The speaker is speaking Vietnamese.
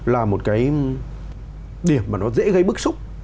là một cái điểm mà nó dễ gây bức xúc